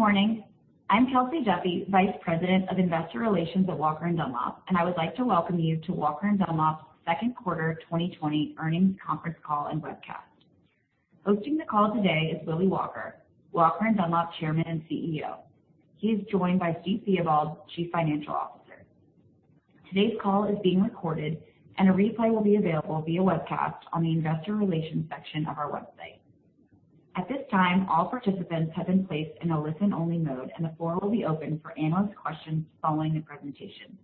Good morning. I'm Kelsey Duffey, Vice President of Investor Relations at Walker & Dunlop, and I would like to welcome you to Walker & Dunlop's second quarter 2020 earnings conference call and webcast. Hosting the call today is Willy Walker, Walker & Dunlop Chairman and CEO. He is joined by Steve Theobald, Chief Financial Officer. Today's call is being recorded, and a replay will be available via webcast on the Investor Relations section of our website. At this time, all participants have been placed in a listen-only mode, and the floor will be open for analyst questions following the presentation.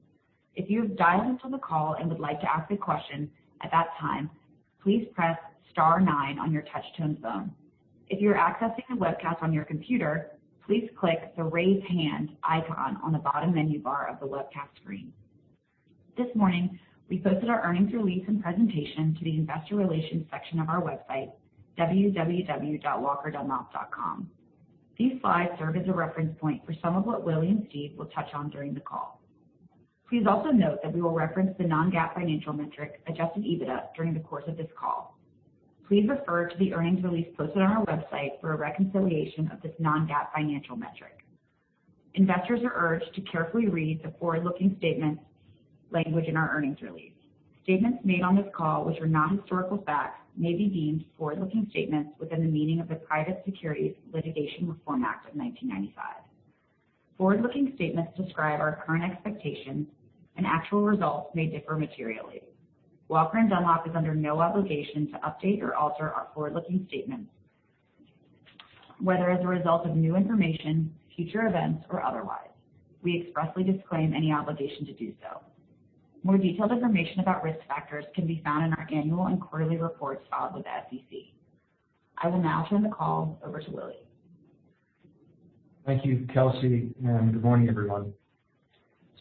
If you have dialed into the call and would like to ask a question at that time, please press star nine on your touch-tone phone. If you're accessing the webcast on your computer, please click the raise hand icon on the bottom menu bar of the webcast screen. This morning, we posted our earnings release and presentation to the Investor Relations section of our website, www.walkeranddunlop.com. These slides serve as a reference point for some of what Willy and Steve will touch on during the call. Please also note that we will reference the non-GAAP financial metric, Adjusted EBITDA, during the course of this call. Please refer to the earnings release posted on our website for a reconciliation of this non-GAAP financial metric. Investors are urged to carefully read the forward-looking statement language in our earnings release. Statements made on this call, which are not historical facts, may be deemed forward-looking statements within the meaning of the Private Securities Litigation Reform Act of 1995. Forward-looking statements describe our current expectations, and actual results may differ materially. Walker & Dunlop is under no obligation to update or alter our forward-looking statements, whether as a result of new information, future events, or otherwise. We expressly disclaim any obligation to do so. More detailed information about risk factors can be found in our annual and quarterly reports filed with the SEC. I will now turn the call over to Willy. Thank you, Kelsey, and good morning, everyone.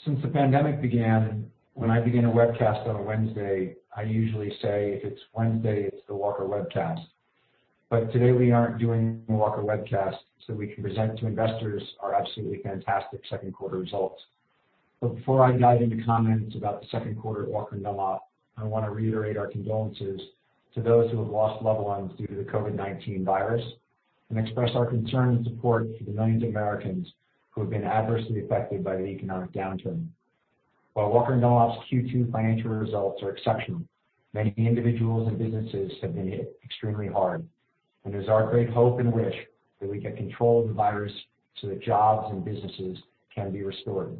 Since the pandemic began, when I begin a webcast on a Wednesday, I usually say, "If it's Wednesday, it's the Walker Webcast." But today we aren't doing the Walker Webcast, so we can present to investors our absolutely fantastic second quarter results. But before I dive into comments about the second quarter at Walker & Dunlop, I want to reiterate our condolences to those who have lost loved ones due to the COVID-19 virus and express our concern and support for the millions of Americans who have been adversely affected by the economic downturn. While Walker & Dunlop's Q2 financial results are exceptional, many individuals and businesses have been hit extremely hard, and it is our great hope and wish that we get control of the virus so that jobs and businesses can be restored.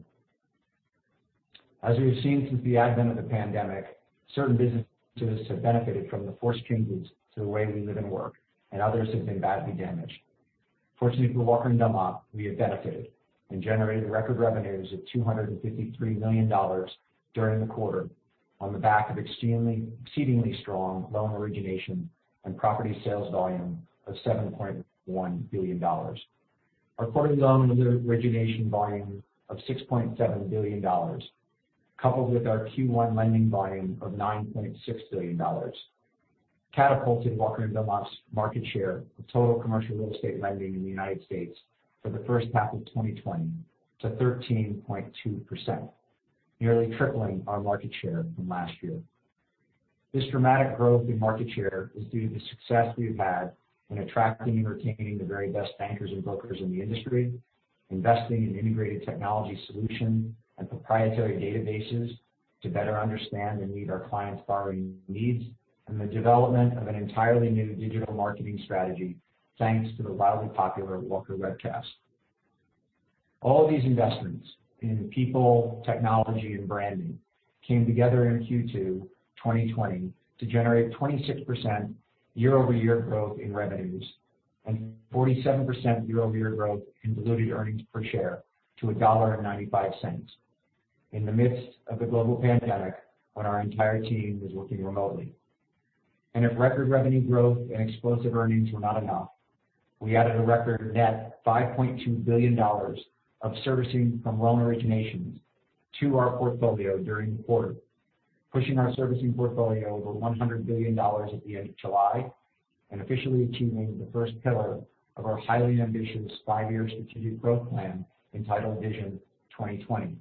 As we have seen since the advent of the pandemic, certain businesses have benefited from the forced changes to the way we live and work, and others have been badly damaged. Fortunately for Walker & Dunlop, we have benefited and generated record revenues of $253 million during the quarter on the back of exceedingly strong loan origination and property sales volume of $7.1 billion. Our quarterly loan origination volume of $6.7 billion, coupled with our Q1 lending volume of $9.6 billion, catapulted Walker & Dunlop's market share of total commercial real estate lending in the United States for the first half of 2020 to 13.2%, nearly tripling our market share from last year. This dramatic growth in market share is due to the success we've had in attracting and retaining the very best bankers and brokers in the industry, investing in integrated technology solutions and proprietary databases to better understand and meet our clients' borrowing needs, and the development of an entirely new digital marketing strategy thanks to the wildly popular Walker Webcast. All of these investments in people, technology, and branding came together in Q2 2020 to generate 26% year-over-year growth in revenues and 47% year-over-year growth in diluted earnings per share to $1.95 in the midst of the global pandemic when our entire team was working remotely. And if record revenue growth and explosive earnings were not enough, we added a record net $5.2 billion of servicing from loan originations to our portfolio during the quarter, pushing our servicing portfolio over $100 billion at the end of July and officially achieving the first pillar of our highly ambitious five-year strategic growth plan entitled Vision 2020.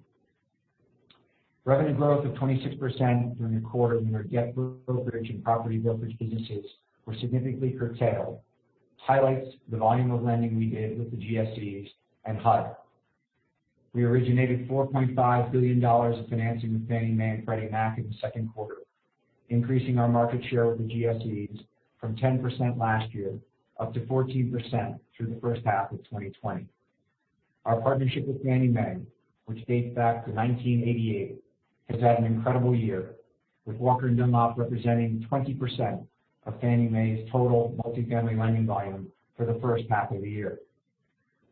Revenue growth of 26% during the quarter in our debt brokerage and property brokerage businesses was significantly curtailed. Highlights the volume of lending we did with the GSEs and HUD. We originated $4.5 billion of financing with Fannie Mae and Freddie Mac in the second quarter, increasing our market share with the GSEs from 10% last year up to 14% through the first half of 2020. Our partnership with Fannie Mae, which dates back to 1988, has had an incredible year, with Walker & Dunlop representing 20% of Fannie Mae's total multifamily lending volume for the first half of the year.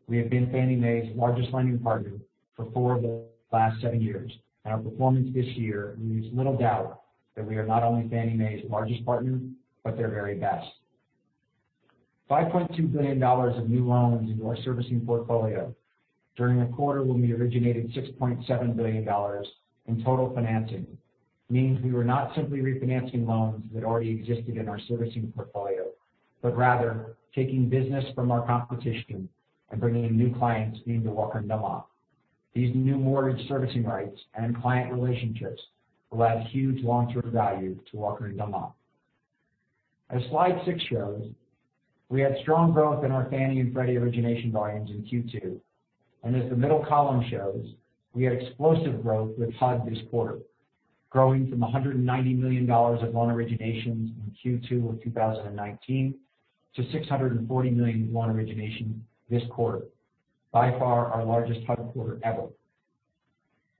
We have been Fannie Mae's largest lending partner for four of the last seven years, and our performance this year leaves little doubt that we are not only Fannie Mae's largest partner but their very best. $5.2 billion of new loans into our servicing portfolio during the quarter when we originated $6.7 billion in total financing means we were not simply refinancing loans that already existed in our servicing portfolio but rather taking business from our competition and bringing in new clients into Walker & Dunlop. These new mortgage servicing rights and client relationships will add huge long-term value to Walker & Dunlop. As slide six shows, we had strong growth in our Fannie Mae and Freddie Mac origination volumes in Q2, and as the middle column shows, we had explosive growth with HUD this quarter, growing from $190 million of loan originations in Q2 of 2019 to $640 million loan origination this quarter, by far our largest HUD quarter ever.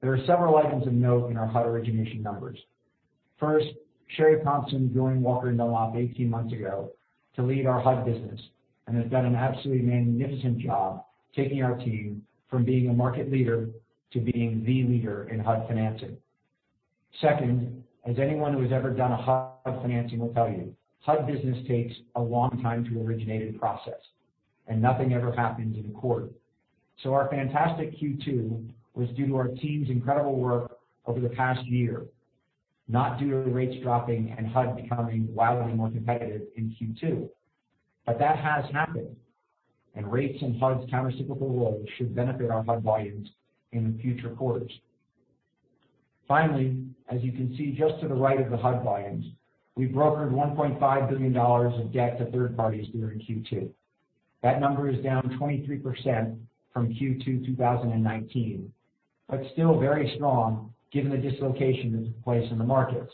There are several items of note in our HUD origination numbers. First, Sheri Thompson joined Walker & Dunlop 18 months ago to lead our HUD business and has done an absolutely magnificent job taking our team from being a market leader to being the leader in HUD financing. Second, as anyone who has ever done a HUD financing will tell you, HUD business takes a long time to originate and process, and nothing ever happens in a quarter. So our fantastic Q2 was due to our team's incredible work over the past year, not due to rates dropping and HUD becoming wildly more competitive in Q2, but that has happened, and rates and HUD's countercyclical role should benefit our HUD volumes in the future quarters. Finally, as you can see just to the right of the HUD volumes, we brokered $1.5 billion of debt to third parties during Q2. That number is down 23% from Q2 2019 but still very strong given the dislocation that took place in the markets.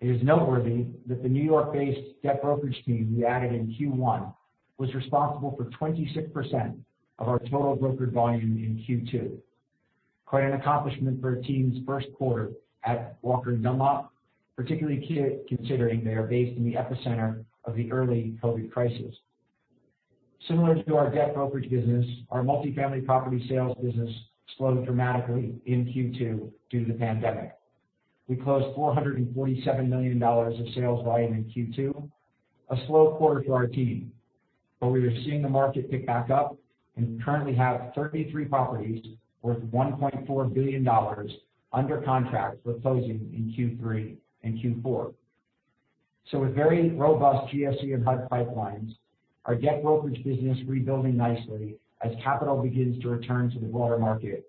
It is noteworthy that the New York-based debt brokerage team we added in Q1 was responsible for 26% of our total brokered volume in Q2, quite an accomplishment for a team's first quarter at Walker & Dunlop, particularly considering they are based in the epicenter of the early COVID crisis. Similar to our debt brokerage business, our multifamily property sales business slowed dramatically in Q2 due to the pandemic. We closed $447 million of sales volume in Q2, a slow quarter for our team, but we are seeing the market pick back up and currently have 33 properties worth $1.4 billion under contract for closing in Q3 and Q4. So with very robust GSE and HUD pipelines, our debt brokerage business rebuilding nicely as capital begins to return to the broader market,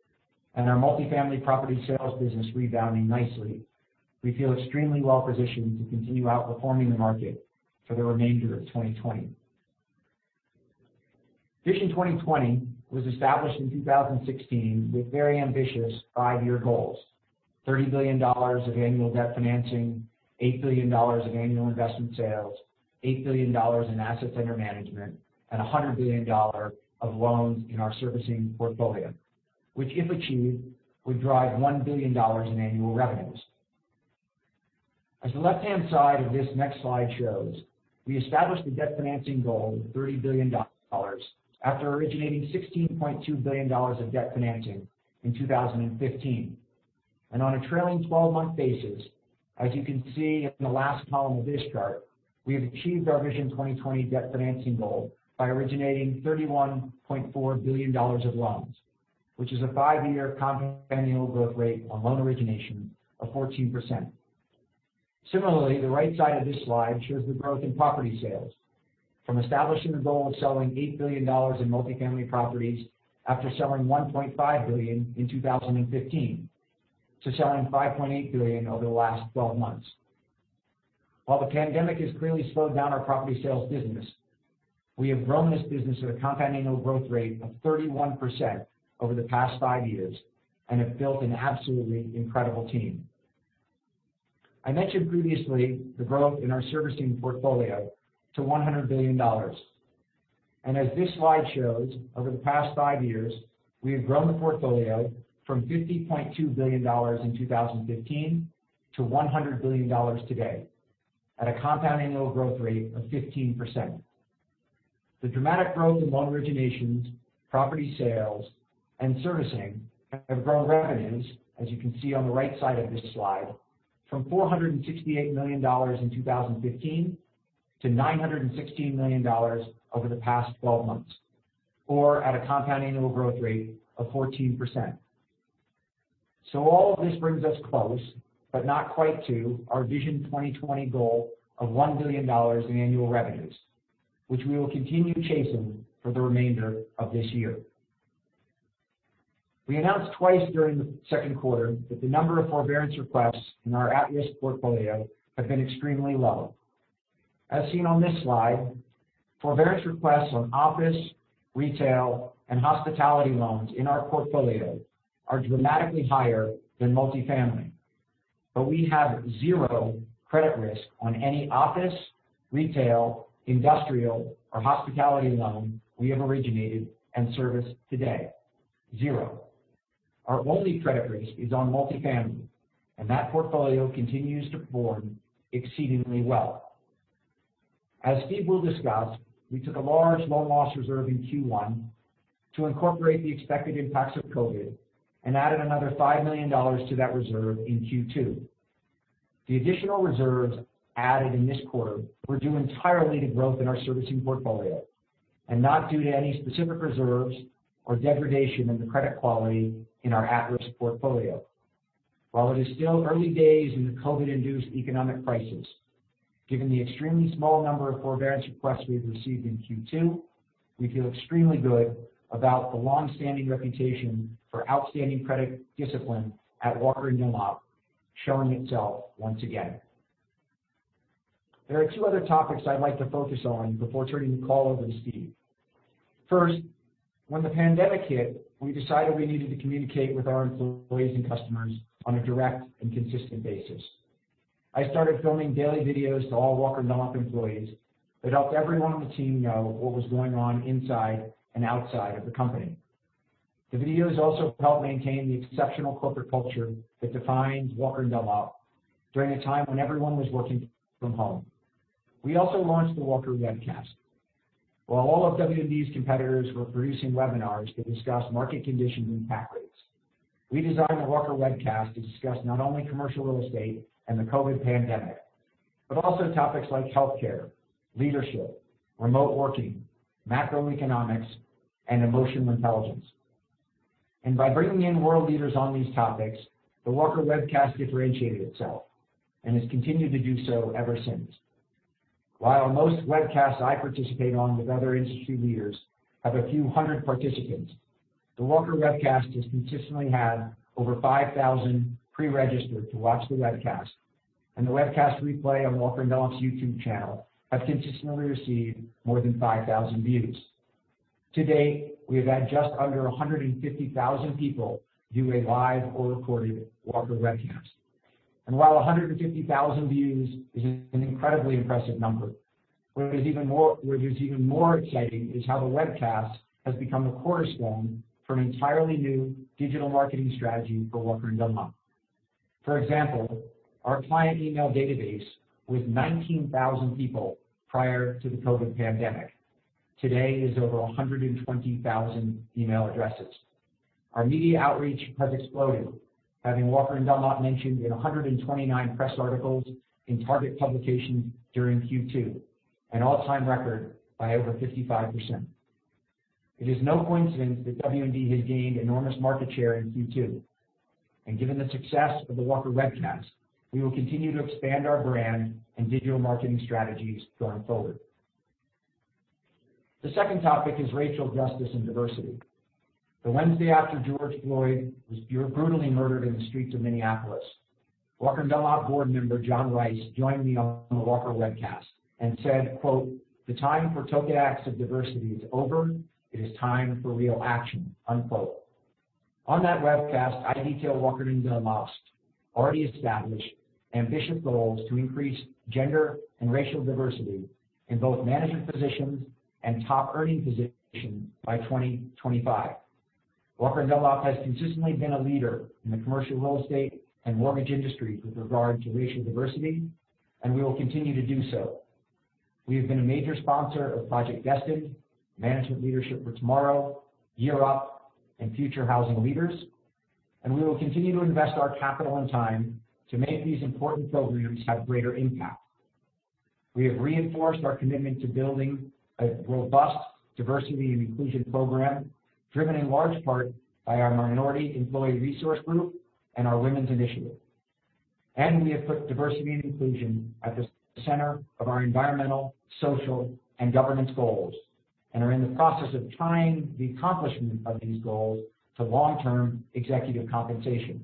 and our multifamily property sales business rebounding nicely, we feel extremely well-positioned to continue outperforming the market for the remainder of 2020. Vision 2020 was established in 2016 with very ambitious five-year goals: $30 billion of annual debt financing, $8 billion of annual investment sales, $8 billion in assets under management, and $100 billion of loans in our servicing portfolio, which, if achieved, would drive $1 billion in annual revenues. As the left-hand side of this next slide shows, we established a debt financing goal of $30 billion after originating $16.2 billion of debt financing in 2015. And on a trailing 12-month basis, as you can see in the last column of this chart, we have achieved our Vision 2020 debt financing goal by originating $31.4 billion of loans, which is a five-year compound growth rate on loan origination of 14%. Similarly, the right side of this slide shows the growth in property sales, from establishing the goal of selling $8 billion in multifamily properties after selling $1.5 billion in 2015 to selling $5.8 billion over the last 12 months. While the pandemic has clearly slowed down our property sales business, we have grown this business at a compound annual growth rate of 31% over the past five years and have built an absolutely incredible team. I mentioned previously the growth in our servicing portfolio to $100 billion. And as this slide shows, over the past five years, we have grown the portfolio from $50.2 billion in 2015 to $100 billion today at a compound annual growth rate of 15%. The dramatic growth in loan originations, property sales, and servicing have grown revenues, as you can see on the right side of this slide, from $468 million in 2015 to $916 million over the past 12 months, or at a compound annual growth rate of 14%. So all of this brings us close but not quite to our Vision 2020 goal of $1 billion in annual revenues, which we will continue chasing for the remainder of this year. We announced twice during the second quarter that the number of forbearance requests in our at-risk portfolio have been extremely low. As seen on this slide, forbearance requests on office, retail, and hospitality loans in our portfolio are dramatically higher than multifamily, but we have zero credit risk on any office, retail, industrial, or hospitality loan we have originated and serviced today, zero. Our only credit risk is on multifamily, and that portfolio continues to perform exceedingly well. As Steve will discuss, we took a large loan loss reserve in Q1 to incorporate the expected impacts of COVID and added another $5 million to that reserve in Q2. The additional reserves added in this quarter were due entirely to growth in our servicing portfolio and not due to any specific reserves or degradation in the credit quality in our at-risk portfolio. While it is still early days in the COVID-induced economic crisis, given the extremely small number of forbearance requests we've received in Q2, we feel extremely good about the long-standing reputation for outstanding credit discipline at Walker & Dunlop showing itself once again. There are two other topics I'd like to focus on before turning the call over to Steve. First, when the pandemic hit, we decided we needed to communicate with our employees and customers on a direct and consistent basis. I started filming daily videos to all Walker & Dunlop employees that helped everyone on the team know what was going on inside and outside of the company. The videos also helped maintain the exceptional corporate culture that defined Walker & Dunlop during a time when everyone was working from home. We also launched the Walker Webcast. While all of W&D's competitors were producing webinars to discuss market conditions and cap rates, we designed the Walker Webcast to discuss not only commercial real estate and the COVID pandemic but also topics like healthcare, leadership, remote working, macroeconomics, and emotional intelligence. And by bringing in world leaders on these topics, the Walker Webcast differentiated itself and has continued to do so ever since. While most webcasts I participate on with other industry leaders have a few hundred participants, the Walker Webcast has consistently had over 5,000 pre-registered to watch the webcast, and the webcast replay on Walker & Dunlop's YouTube channel has consistently received more than 5,000 views. To date, we have had just under 150,000 people view a live or recorded Walker Webcast. And while 150,000 views is an incredibly impressive number, what is even more exciting is how the webcast has become a cornerstone for an entirely new digital marketing strategy for Walker & Dunlop. For example, our client email database with 19,000 people prior to the COVID pandemic today is over 120,000 email addresses. Our media outreach has exploded, having Walker & Dunlop mentioned in 129 press articles in target publications during Q2, an all-time record by over 55%. It is no coincidence that W&D has gained enormous market share in Q2, and given the success of the Walker Webcast, we will continue to expand our brand and digital marketing strategies going forward. The second topic is racial justice and diversity. The Wednesday after George Floyd was brutally murdered in the streets of Minneapolis, Walker & Dunlop board member John Rice joined me on the Walker Webcast and said, "The time for token acts of diversity is over. It is time for real action." On that webcast, I detailed Walker & Dunlop's already established ambitious goals to increase gender and racial diversity in both management positions and top earning positions by 2025. Walker & Dunlop has consistently been a leader in the commercial real estate and mortgage industry with regard to racial diversity, and we will continue to do so. We have been a major sponsor of Project Destined, Management Leadership for Tomorrow, Year Up, and Future Housing Leaders, and we will continue to invest our capital and time to make these important programs have greater impact. We have reinforced our commitment to building a robust diversity and inclusion program driven in large part by our minority employee resource group and our women's initiative. And we have put diversity and inclusion at the center of our environmental, social, and governance goals and are in the process of tying the accomplishment of these goals to long-term executive compensation.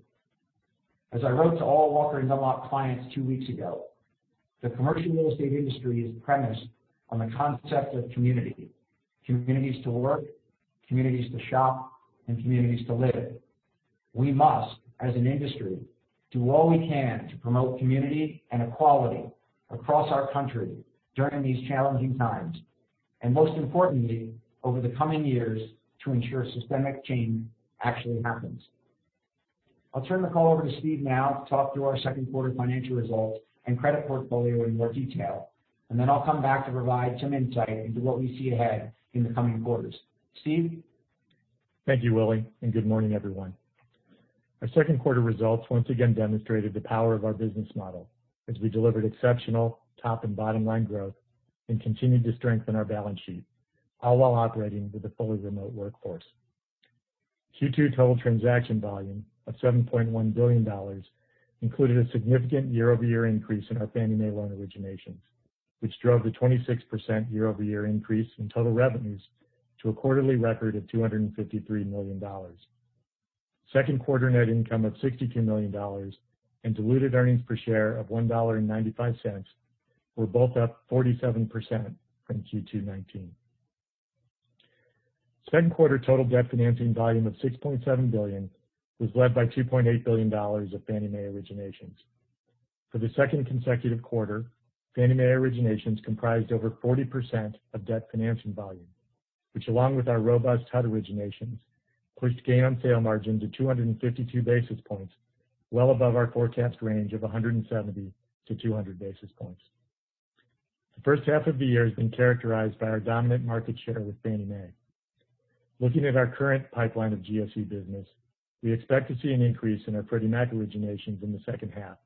As I wrote to all Walker & Dunlop clients two weeks ago, the commercial real estate industry is premised on the concept of community: communities to work, communities to shop, and communities to live. We must, as an industry, do all we can to promote community and equality across our country during these challenging times and, most importantly, over the coming years to ensure systemic change actually happens. I'll turn the call over to Steve now to talk through our second quarter financial results and credit portfolio in more detail, and then I'll come back to provide some insight into what we see ahead in the coming quarters. Steve? Thank you, Willy, and good morning, everyone. Our second quarter results once again demonstrated the power of our business model as we delivered exceptional top and bottom-line growth and continued to strengthen our balance sheet all while operating with a fully remote workforce. Q2 total transaction volume of $7.1 billion included a significant year-over-year increase in our Fannie Mae loan originations, which drove the 26% year-over-year increase in total revenues to a quarterly record of $253 million. Second quarter net income of $62 million and diluted earnings per share of $1.95 were both up 47% from Q2 2019. Second quarter total debt financing volume of $6.7 billion was led by $2.8 billion of Fannie Mae originations. For the second consecutive quarter, Fannie Mae originations comprised over 40% of debt financing volume, which, along with our robust HUD originations, pushed gain on sale margin to 252 basis points, well above our forecast range of 170-200 basis points. The first half of the year has been characterized by our dominant market share with Fannie Mae. Looking at our current pipeline of GSE business, we expect to see an increase in our Freddie Mac originations in the second half,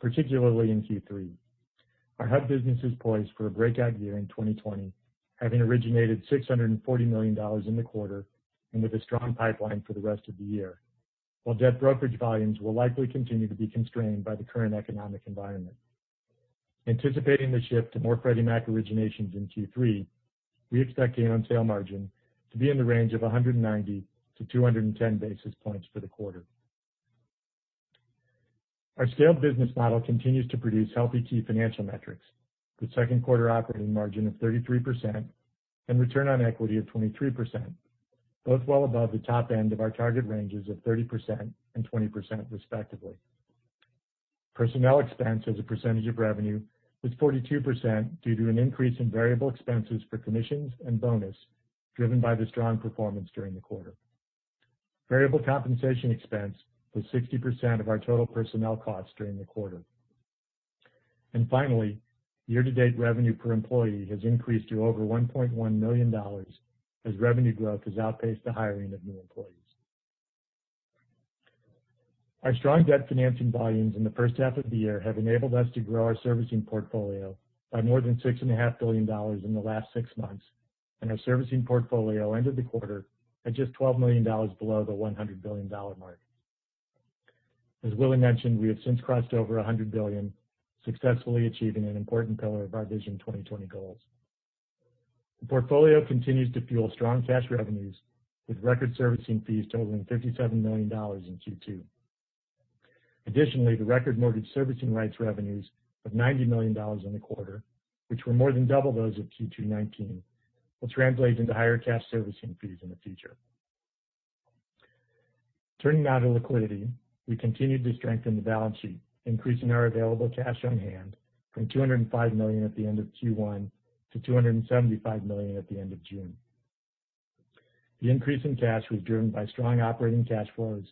particularly in Q3. Our HUD business is poised for a breakout year in 2020, having originated $640 million in the quarter and with a strong pipeline for the rest of the year, while debt brokerage volumes will likely continue to be constrained by the current economic environment. Anticipating the shift to more Freddie Mac originations in Q3, we expect gain on sale margin to be in the range of 190-210 basis points for the quarter. Our scaled business model continues to produce healthy key financial metrics, with second quarter operating margin of 33% and return on equity of 23%, both well above the top end of our target ranges of 30% and 20%, respectively. Personnel expense as a percentage of revenue was 42% due to an increase in variable expenses for commissions and bonus driven by the strong performance during the quarter. Variable compensation expense was 60% of our total personnel costs during the quarter. Finally, year-to-date revenue per employee has increased to over $1.1 million as revenue growth has outpaced the hiring of new employees. Our strong debt financing volumes in the first half of the year have enabled us to grow our servicing portfolio by more than $6.5 billion in the last six months, and our servicing portfolio ended the quarter at just $12 million below the $100 billion mark. As Willy mentioned, we have since crossed over $100 billion, successfully achieving an important pillar of our Vision 2020 goals. The portfolio continues to fuel strong cash revenues, with record servicing fees totaling $57 million in Q2. Additionally, the record mortgage servicing rights revenues of $90 million in the quarter, which were more than double those of Q2 2019, will translate into higher cash servicing fees in the future. Turning now to liquidity, we continued to strengthen the balance sheet, increasing our available cash on hand from $205 million at the end of Q1 to $275 million at the end of June. The increase in cash was driven by strong operating cash flows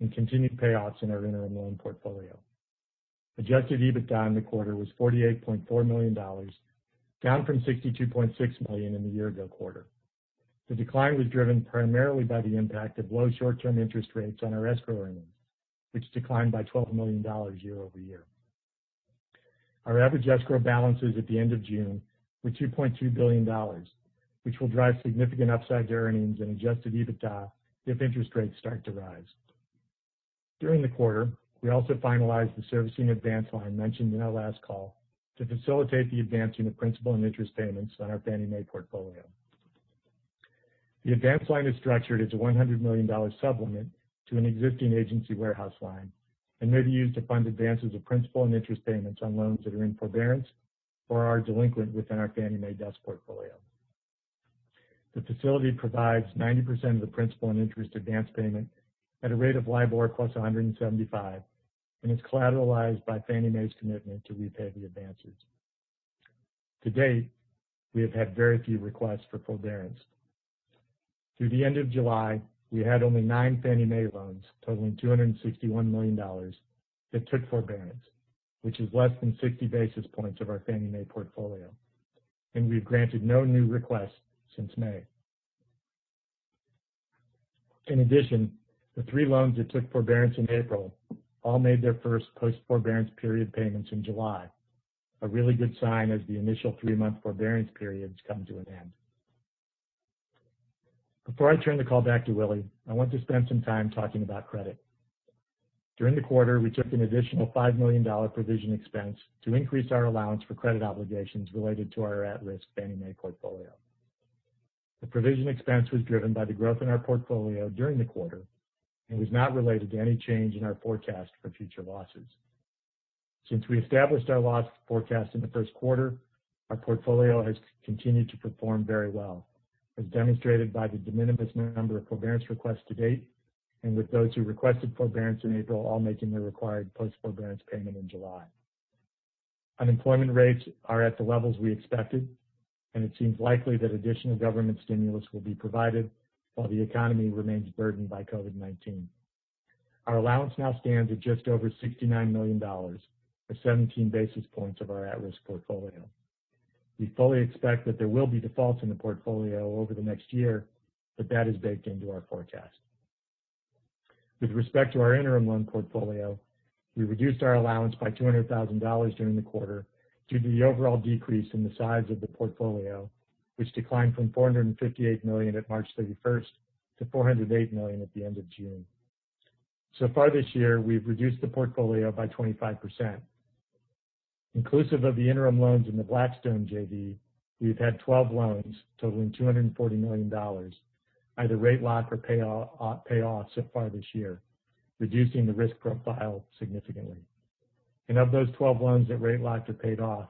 and continued payouts in our interim loan portfolio. Adjusted EBITDA in the quarter was $48.4 million, down from $62.6 million in the year-ago quarter. The decline was driven primarily by the impact of low short-term interest rates on our escrow earnings, which declined by $12 million year-over-year. Our average escrow balances at the end of June were $2.2 billion, which will drive significant upside to earnings and Adjusted EBITDA if interest rates start to rise. During the quarter, we also finalized the servicing advance line mentioned in our last call to facilitate the advancing of principal and interest payments on our Fannie Mae portfolio. The advance line is structured as a $100 million supplement to an existing agency warehouse line and may be used to fund advances of principal and interest payments on loans that are in forbearance or are delinquent within our Fannie Mae DUS portfolio. The facility provides 90% of the principal and interest advance payment at a rate of LIBOR +175 and is collateralized by Fannie Mae's commitment to repay the advances. To date, we have had very few requests for forbearance. Through the end of July, we had only nine Fannie Mae loans totaling $261 million that took forbearance, which is less than 60 basis points of our Fannie Mae portfolio, and we've granted no new requests since May. In addition, the three loans that took forbearance in April all made their first post-forbearance period payments in July, a really good sign as the initial three-month forbearance periods come to an end. Before I turn the call back to Willy, I want to spend some time talking about credit. During the quarter, we took an additional $5 million provision expense to increase our allowance for credit obligations related to our at-risk Fannie Mae portfolio. The provision expense was driven by the growth in our portfolio during the quarter and was not related to any change in our forecast for future losses. Since we established our loss forecast in the first quarter, our portfolio has continued to perform very well, as demonstrated by the de minimis number of forbearance requests to date and with those who requested forbearance in April all making their required post-forbearance payment in July. Unemployment rates are at the levels we expected, and it seems likely that additional government stimulus will be provided while the economy remains burdened by COVID-19. Our allowance now stands at just over $69 million, or 17 basis points of our at-risk portfolio. We fully expect that there will be defaults in the portfolio over the next year, but that is baked into our forecast. With respect to our interim loan portfolio, we reduced our allowance by $200,000 during the quarter due to the overall decrease in the size of the portfolio, which declined from $458 million at March 31st to $408 million at the end of June. So far this year, we've reduced the portfolio by 25%. Inclusive of the interim loans in the Blackstone JV, we've had 12 loans totaling $240 million either rate locked or payoffs so far this year, reducing the risk profile significantly. And of those 12 loans that rate locked or paid off,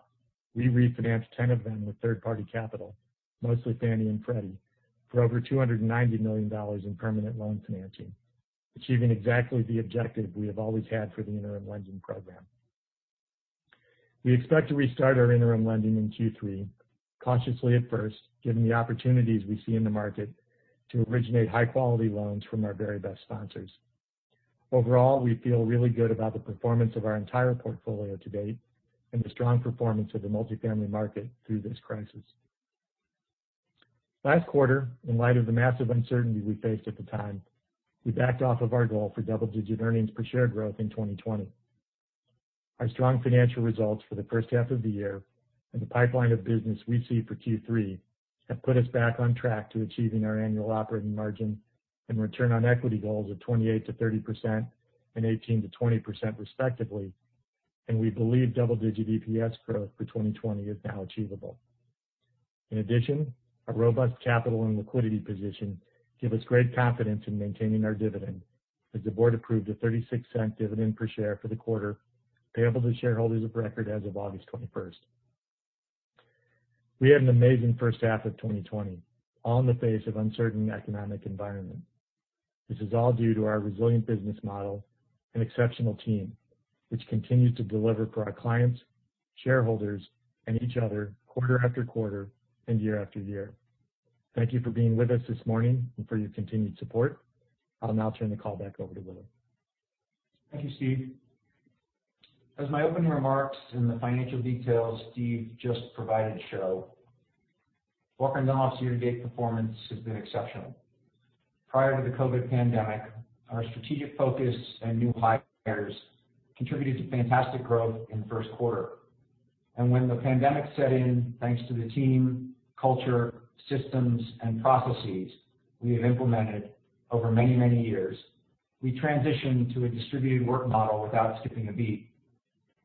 we refinanced 10 of them with third-party capital, mostly Fannie Mae and Freddie Mac, for over $290 million in permanent loan financing, achieving exactly the objective we have always had for the interim lending program. We expect to restart our interim lending in Q3, cautiously at first, given the opportunities we see in the market to originate high-quality loans from our very best sponsors. Overall, we feel really good about the performance of our entire portfolio to date and the strong performance of the multifamily market through this crisis. Last quarter, in light of the massive uncertainty we faced at the time, we backed off of our goal for double-digit earnings per share growth in 2020. Our strong financial results for the first half of the year and the pipeline of business we see for Q3 have put us back on track to achieving our annual operating margin and return on equity goals of 28%-30% and 18%-20%, respectively, and we believe double-digit EPS growth for 2020 is now achievable. In addition, our robust capital and liquidity position gives us great confidence in maintaining our dividend as the board approved a $0.36 dividend per share for the quarter, payable to shareholders of record as of August 21st. We had an amazing first half of 2020, all in the face of an uncertain economic environment. This is all due to our resilient business model and exceptional team, which continues to deliver for our clients, shareholders, and each other quarter after quarter and year-after-year. Thank you for being with us this morning and for your continued support. I'll now turn the call back over to Willy. Thank you, Steve. As my opening remarks and the financial details Steve just provided show, Walker & Dunlop's year-to-date performance has been exceptional. Prior to the COVID pandemic, our strategic focus and new hires contributed to fantastic growth in the first quarter. And when the pandemic set in, thanks to the team, culture, systems, and processes we have implemented over many, many years, we transitioned to a distributed work model without skipping a beat.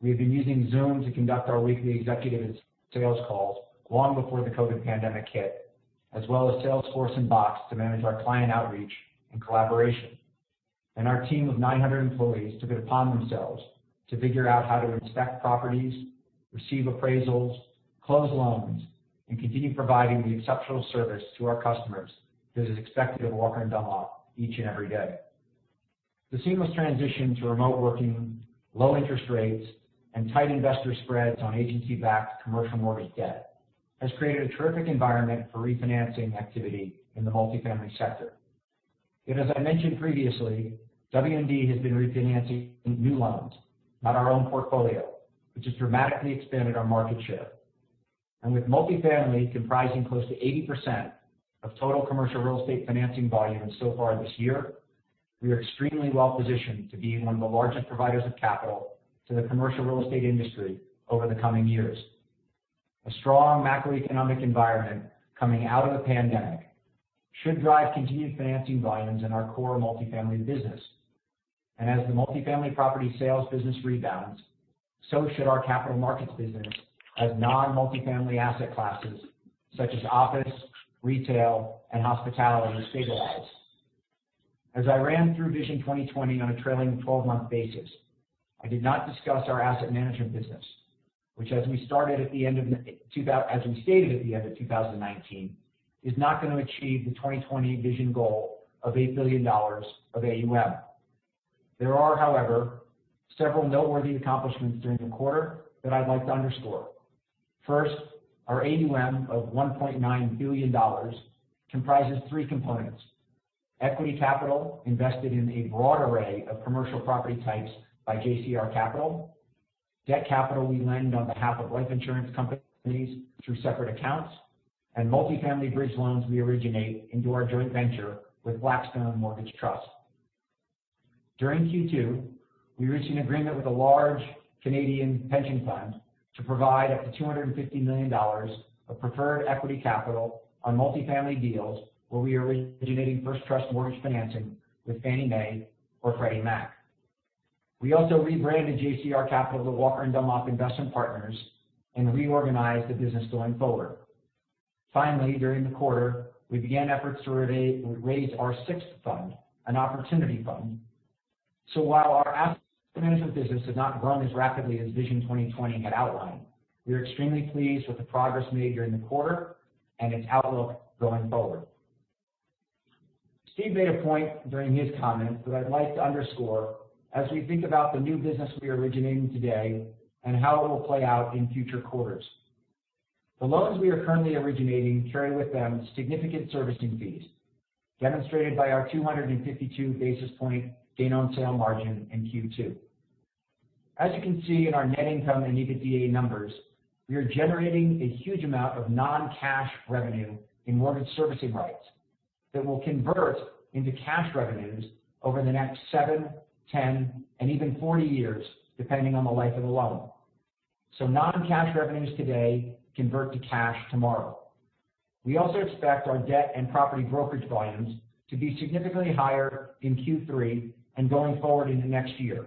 We have been using Zoom to conduct our weekly executive sales calls long before the COVID pandemic hit, as well as Salesforce and Box to manage our client outreach and collaboration. Our team of 900 employees took it upon themselves to figure out how to inspect properties, receive appraisals, close loans, and continue providing the exceptional service to our customers that is expected of Walker & Dunlop each and every day. The seamless transition to remote working, low interest rates, and tight investor spreads on agency-backed commercial mortgage debt has created a terrific environment for refinancing activity in the multifamily sector. And as I mentioned previously, W&D has been refinancing new loans, not our own portfolio, which has dramatically expanded our market share. And with multifamily comprising close to 80% of total commercial real estate financing volume so far this year, we are extremely well-positioned to be one of the largest providers of capital to the commercial real estate industry over the coming years. A strong macroeconomic environment coming out of the pandemic should drive continued financing volumes in our core multifamily business. And as the multifamily property sales business rebounds, so should our capital markets business as non-multifamily asset classes such as office, retail, and hospitality stabilize. As I ran through Vision 2020 on a trailing 12-month basis, I did not discuss our asset management business, which, as we stated at the end of 2019, is not going to achieve the Vision 2020 goal of $8 billion of AUM. There are, however, several noteworthy accomplishments during the quarter that I'd like to underscore. First, our AUM of $1.9 billion comprises three components: equity capital invested in a broad array of commercial property types by JCR Capital, debt capital we lend on behalf of life insurance companies through separate accounts, and multifamily bridge loans we originate into our joint venture with Blackstone Mortgage Trust. During Q2, we reached an agreement with a large Canadian pension fund to provide up to $250 million of preferred equity capital on multifamily deals where we originated first trust mortgage financing with Fannie Mae or Freddie Mac. We also rebranded JCR Capital to Walker & Dunlop Investment Partners and reorganized the business going forward. Finally, during the quarter, we began efforts to raise our sixth fund, an opportunity fund. So while our asset management business has not grown as rapidly as Vision 2020 had outlined, we are extremely pleased with the progress made during the quarter and its outlook going forward. Steve made a point during his comments that I'd like to underscore as we think about the new business we are originating today and how it will play out in future quarters. The loans we are currently originating carry with them significant servicing fees, demonstrated by our 252 basis point gain-on-sale margin in Q2. As you can see in our net income and EBITDA numbers, we are generating a huge amount of non-cash revenue in mortgage servicing rights that will convert into cash revenues over the next seven, 10, and even 40 years, depending on the life of the loan. So non-cash revenues today convert to cash tomorrow. We also expect our debt and property brokerage volumes to be significantly higher in Q3 and going forward into next year,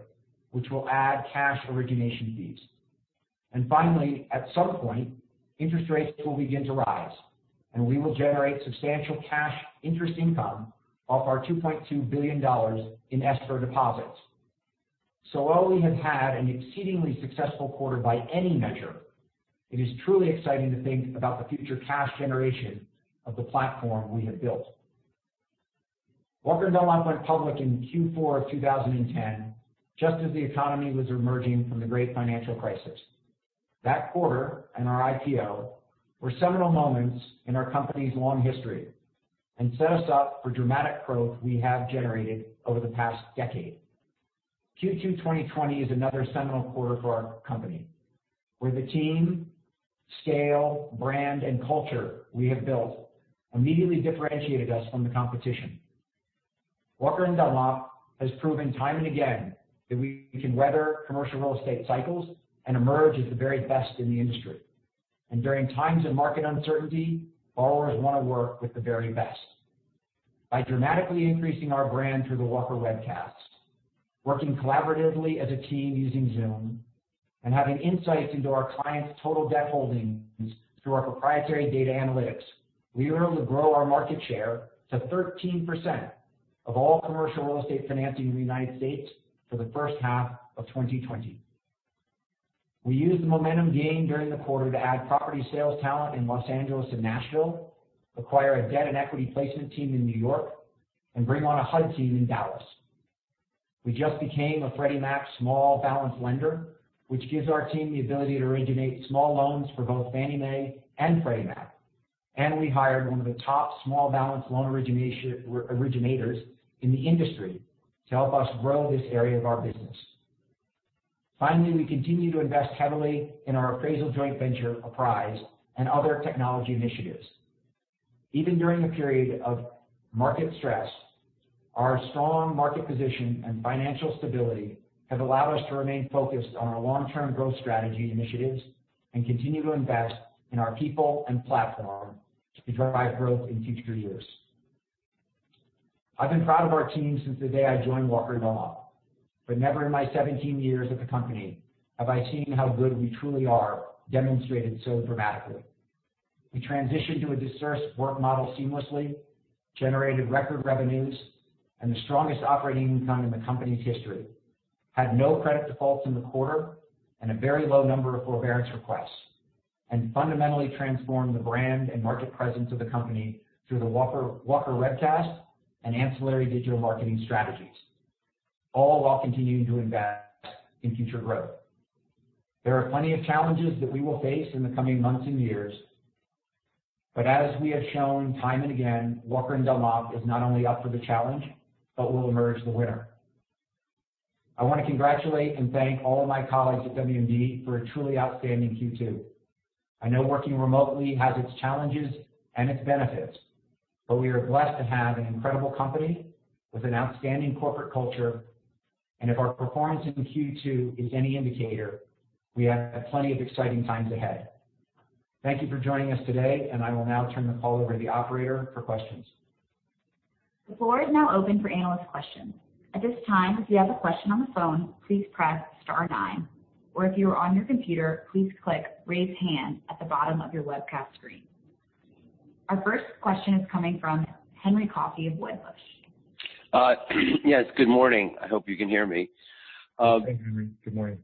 which will add cash origination fees, and finally, at some point, interest rates will begin to rise, and we will generate substantial cash interest income off our $2.2 billion in escrow deposits, so while we have had an exceedingly successful quarter by any measure, it is truly exciting to think about the future cash generation of the platform we have built. Walker & Dunlop went public in Q4 of 2010 just as the economy was emerging from the great financial crisis. That quarter and our IPO were seminal moments in our company's long history and set us up for dramatic growth we have generated over the past decade. Q2 2020 is another seminal quarter for our company, where the team, scale, brand, and culture we have built immediately differentiated us from the competition. Walker & Dunlop has proven time and again that we can weather commercial real estate cycles and emerge as the very best in the industry. And during times of market uncertainty, borrowers want to work with the very best, and by dramatically increasing our brand through the Walker Webcasts, working collaboratively as a team using Zoom, and having insights into our clients' total debt holdings through our proprietary data analytics, we were able to grow our market share to 13% of all commercial real estate financing in the United States for the first half of 2020. We used the momentum gained during the quarter to add property sales talent in Los Angeles and Nashville, acquire a debt and equity placement team in New York, and bring on a HUD team in Dallas. We just became a Freddie Mac small balance lender, which gives our team the ability to originate small loans for both Fannie Mae and Freddie Mac. And we hired one of the top small balance loan originators in the industry to help us grow this area of our business. Finally, we continue to invest heavily in our appraisal joint venture, Apprise, and other technology initiatives. Even during a period of market stress, our strong market position and financial stability have allowed us to remain focused on our long-term growth strategy initiatives and continue to invest in our people and platform to drive growth in future years. I've been proud of our team since the day I joined Walker & Dunlop, but never in my 17 years at the company have I seen how good we truly are demonstrated so dramatically. We transitioned to a dispersed work model seamlessly, generated record revenues, and the strongest operating income in the company's history, had no credit defaults in the quarter, and a very low number of forbearance requests, and fundamentally transformed the brand and market presence of the company through the Walker Webcast and ancillary digital marketing strategies, all while continuing to invest in future growth. There are plenty of challenges that we will face in the coming months and years, but as we have shown time and again, Walker & Dunlop is not only up for the challenge but will emerge the winner. I want to congratulate and thank all of my colleagues at W&D for a truly outstanding Q2. I know working remotely has its challenges and its benefits, but we are blessed to have an incredible company with an outstanding corporate culture, and if our performance in Q2 is any indicator, we have plenty of exciting times ahead. Thank you for joining us today, and I will now turn the call over to the operator for questions. The floor is now open for analyst questions. At this time, if you have a question on the phone, please press star nine, or if you are on your computer, please click raise hand at the bottom of your webcast screen. Our first question is coming from Henry Coffey of Wedbush. Yes. Good morning. I hope you can hear me. Hey, Henry. Good morning.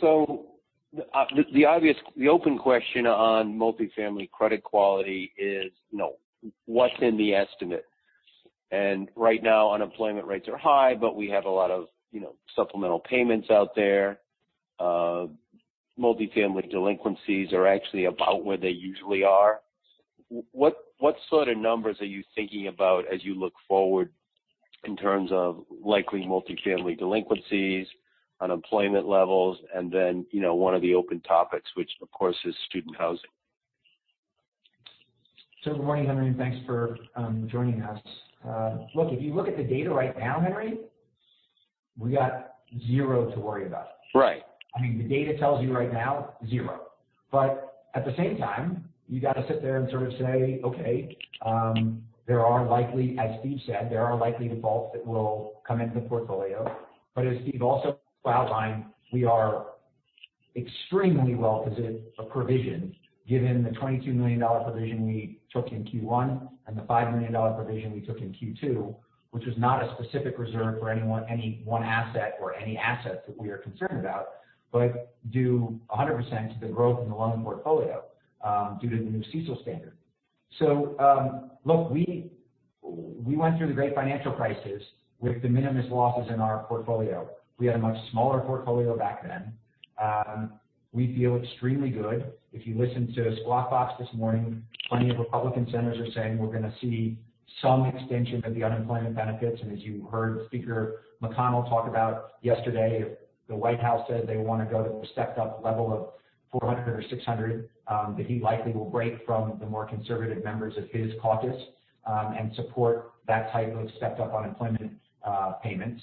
So the open question on multifamily credit quality is, no, what's in the estimate? And right now, unemployment rates are high, but we have a lot of supplemental payments out there. Multifamily delinquencies are actually about where they usually are. What sort of numbers are you thinking about as you look forward in terms of likely multifamily delinquencies, unemployment levels, and then one of the open topics, which, of course, is student housing? So good morning, Henry, and thanks for joining us. Look, if you look at the data right now, Henry, we got zero to worry about. Right. I mean, the data tells you right now, zero. But at the same time, you got to sit there and sort of say, okay, there are likely, as Steve said, there are likely defaults that will come into the portfolio. But as Steve also outlined, we are extremely well positioned given the $22 million provision we took in Q1 and the $5 million provision we took in Q2, which was not a specific reserve for any one asset or any assets that we are concerned about, but due 100% to the growth in the loan portfolio due to the new CECL standard. So look, we went through the great financial crisis with the minimal losses in our portfolio. We had a much smaller portfolio back then. We feel extremely good. If you listen to Squawk Box this morning, plenty of Republican senators are saying we're going to see some extension of the unemployment benefits. And as you heard Speaker McConnell talk about yesterday, the White House said they want to go to the stepped-up level of $400 or $600 that he likely will break from the more conservative members of his caucus and support that type of stepped-up unemployment payments.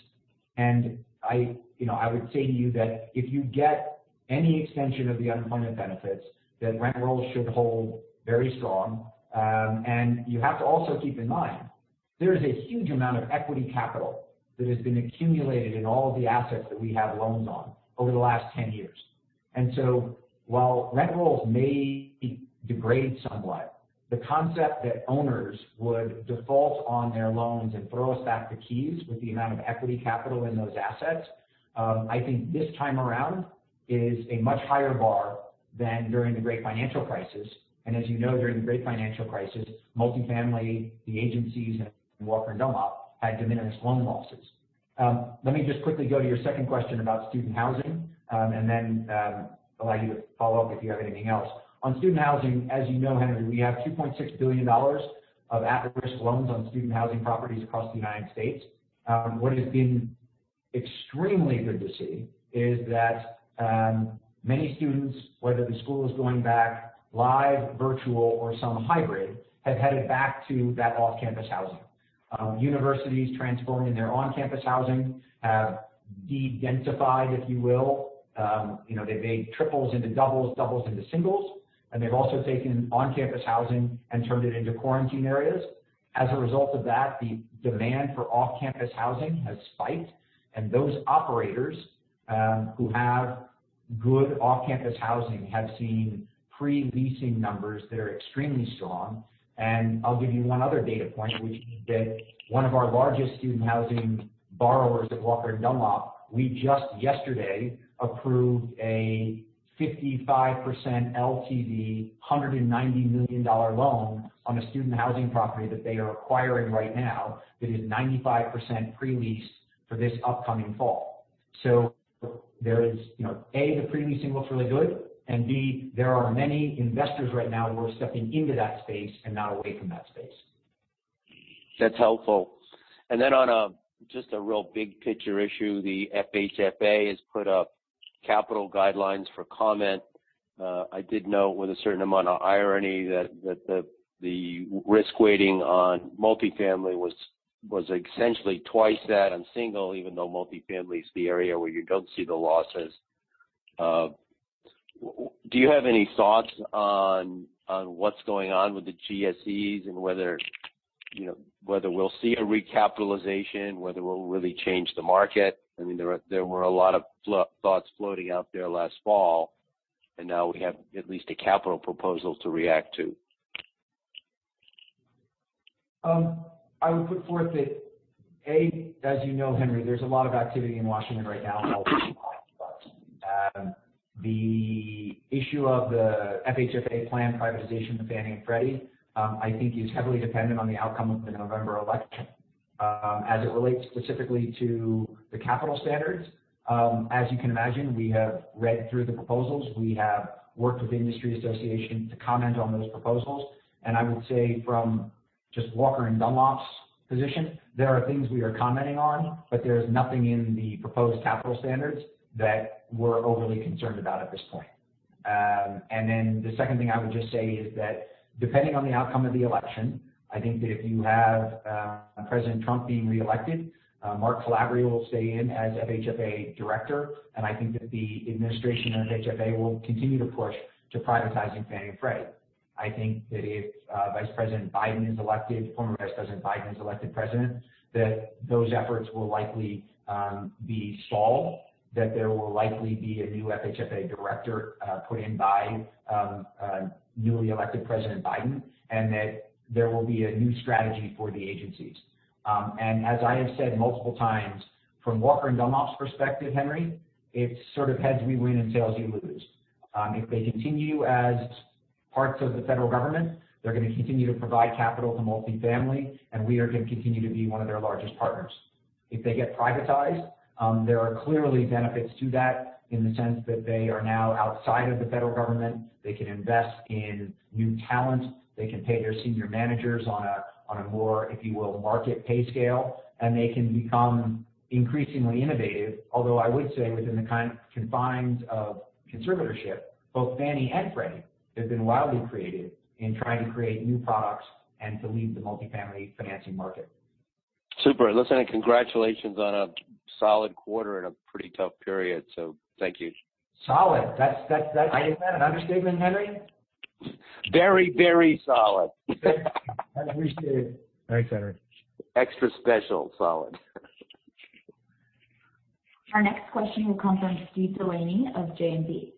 And I would say to you that if you get any extension of the unemployment benefits, that rent rolls should hold very strong. And you have to also keep in mind there is a huge amount of equity capital that has been accumulated in all of the assets that we have loans on over the last 10 years. And so while rent rolls may degrade somewhat, the concept that owners would default on their loans and throw us back the keys with the amount of equity capital in those assets, I think this time around is a much higher bar than during the great financial crisis. And as you know, during the great financial crisis, multifamily, the agencies, and Walker & Dunlop had diminished loan losses. Let me just quickly go to your second question about student housing and then allow you to follow up if you have anything else. On student housing, as you know, Henry, we have $2.6 billion of at-risk loans on student housing properties across the United States. What has been extremely good to see is that many students, whether the school is going back live, virtual, or some hybrid, have headed back to that off-campus housing. Universities transformed in their on-campus housing have de-densified, if you will. They've made triples into doubles, doubles into singles, and they've also taken on-campus housing and turned it into quarantine areas. As a result of that, the demand for off-campus housing has spiked, and those operators who have good off-campus housing have seen pre-leasing numbers that are extremely strong. And I'll give you one other data point, which is that one of our largest student housing borrowers at Walker & Dunlop, we just yesterday approved a 55% LTV, $190 million loan on a student housing property that they are acquiring right now that is 95% pre-leased for this upcoming fall. So there is, A, the pre-leasing looks really good, and B, there are many investors right now who are stepping into that space and not away from that space. That's helpful. And then on just a real big picture issue, the FHFA has put up capital guidelines for comment. I did note with a certain amount of irony that the risk weighting on multifamily was essentially twice that on single, even though multifamily is the area where you don't see the losses. Do you have any thoughts on what's going on with the GSEs and whether we'll see a recapitalization, whether we'll really change the market? I mean, there were a lot of thoughts floating out there last fall, and now we have at least a capital proposal to react to. I would put forth that, A, as you know, Henry, there's a lot of activity in Washington right now about the issue of the FHFA plan privatization with Fannie Mae and Freddie Mac, I think is heavily dependent on the outcome of the November election as it relates specifically to the capital standards. As you can imagine, we have read through the proposals. We have worked with the industry association to comment on those proposals. And I would say from just Walker & Dunlop's position, there are things we are commenting on, but there is nothing in the proposed capital standards that we're overly concerned about at this point. And then the second thing I would just say is that depending on the outcome of the election, I think that if you have President Trump being reelected, Mark Calabria will stay in as FHFA director, and I think that the administration of FHFA will continue to push to privatizing Fannie Mae and Freddie Mac. I think that if Vice President Biden is elected, former Vice President Biden is elected president, that those efforts will likely be stalled, that there will likely be a new FHFA director put in by newly elected President Biden, and that there will be a new strategy for the agencies. And as I have said multiple times, from Walker & Dunlop's perspective, Henry, it's sort of heads we win and tails you lose. If they continue as parts of the federal government, they're going to continue to provide capital to multifamily, and we are going to continue to be one of their largest partners. If they get privatized, there are clearly benefits to that in the sense that they are now outside of the federal government. They can invest in new talent. They can pay their senior managers on a more, if you will, market pay scale, and they can become increasingly innovative, although I would say within the confines of conservatorship, both Fannie and Freddie have been wildly creative in trying to create new products and to lead the multifamily financing market. Super. Listen, and congratulations on a solid quarter and a pretty tough period. So thank you. Solid. That's an understatement, Henry? Very, very solid. I appreciate it. Thanks, Henry. Extra special solid. Our next question will come from Steven Delaney of JMP.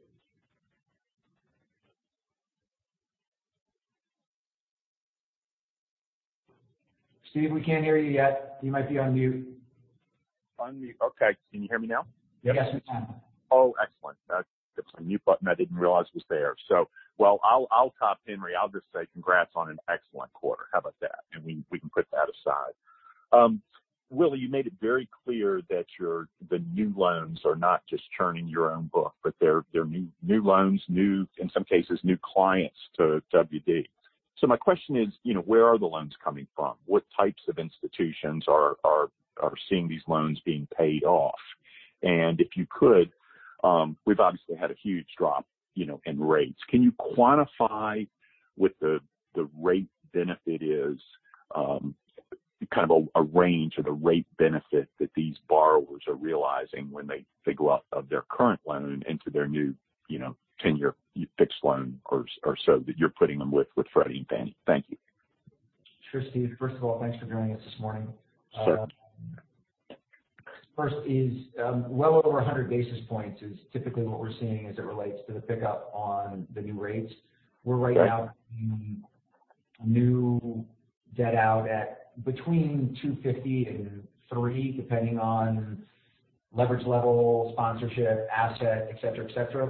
Steve, we can't hear you yet. You might be on mute. On mute. Okay. Can you hear me now? Yes, we can. Oh, excellent. That's a mute button I didn't realize was there. So, well, I'll top Henry. I'll just say congrats on an excellent quarter. How about that? And we can put that aside. Willy, you made it very clear that the new loans are not just churning your own book, but they're new loans, new, in some cases, new clients to WD. So my question is, where are the loans coming from? What types of institutions are seeing these loans being paid off? And if you could, we've obviously had a huge drop in rates. Can you quantify what the rate benefit is, kind of a range of the rate benefit that these borrowers are realizing when they go out of their current loan into their new 10-year fixed loan or so that you're putting them with Freddie Mac and Fannie Mae? Thank you. Sure, Steve. First of all, thanks for joining us this morning. First, it's well over 100 basis points. It's typically what we're seeing as it relates to the pickup on the new rates. We're right now new debt out at between 250 and three, depending on leverage level, sponsorship, asset, etc., etc.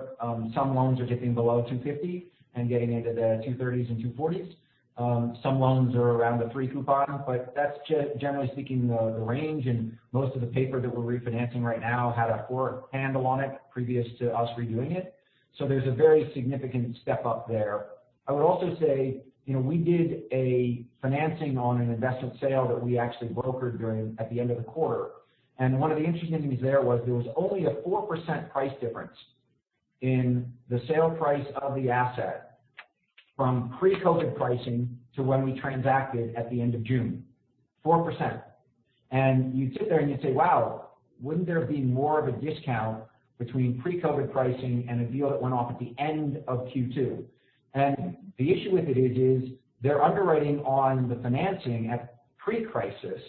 Some loans are dipping below 250 and getting into the 230s and 240s. Some loans are around the three coupon, but that's generally speaking the range. Most of the paper that we're refinancing right now had a floating rate on it previous to us redoing it. There's a very significant step up there. I would also say we did a financing on an investment sale that we actually brokered at the end of the quarter. One of the interesting things there was only a 4% price difference in the sale price of the asset from pre-COVID pricing to when we transacted at the end of June, 4%. You sit there and you say, "Wow, wouldn't there be more of a discount between pre-COVID pricing and a deal that went off at the end of Q2?" The issue with it is they're underwriting on the financing at pre-crisis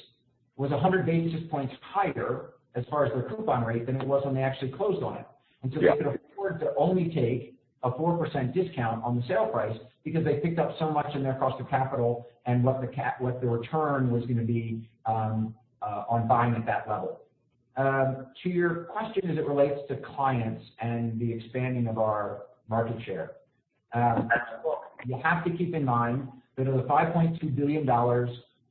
was 100 basis points higher as far as their coupon rate than it was when they actually closed on it. And so they could afford to only take a 4% discount on the sale price because they picked up so much in their cost of capital and what the return was going to be on buying at that level. To your question as it relates to clients and the expanding of our market share, you have to keep in mind that of the $5.2 billion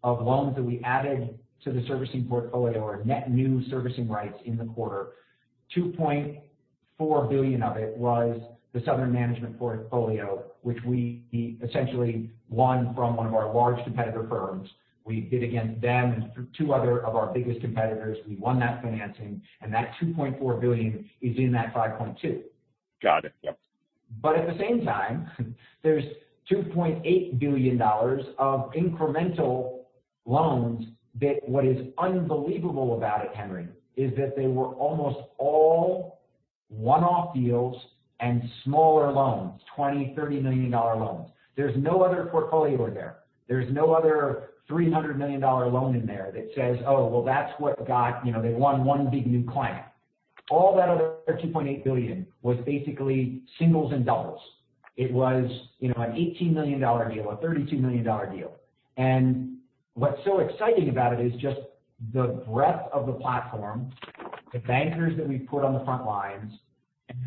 of loans that we added to the servicing portfolio or net new servicing rights in the quarter, $2.4 billion of it was the Southern Management portfolio, which we essentially won from one of our large competitor firms. We bid against them and two other of our biggest competitors. We won that financing, and that $2.4 billion is in that $5.2. Got it. Yep. But at the same time, there's $2.8 billion of incremental loans. What is unbelievable about it, Henry, is that they were almost all one-off deals and smaller loans, $20 million, $30 million loans. There's no other portfolio there. There's no other $300 million loan in there that says, "Oh, well, that's what got them one big new client." All that other $2.8 billion was basically singles and doubles. It was an $18 million deal, a $32 million deal. And what's so exciting about it is just the breadth of the platform, the bankers that we've put on the front lines,